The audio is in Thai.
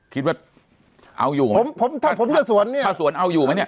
คิดว่าเอาอยู่มั้ย